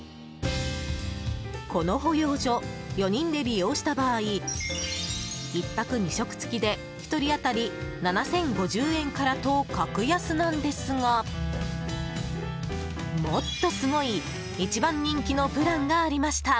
この保養所、４人で利用した場合１泊２食付きで１人当たり７０５０円からと格安なんですがもっとすごい一番人気のプランがありました。